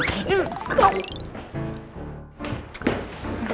kami mau ke rumah